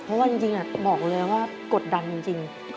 เพราะว่าจริงบอกเลยว่ากดดันจริง